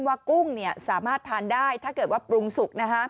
กุ้งสามารถทานได้ถ้าเกิดว่าปรุงสุก